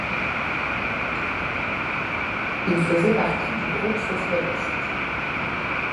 Il faisait partie du groupe socialiste.